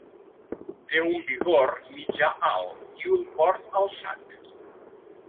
Té un vigor mitjà-alt i un port alçat.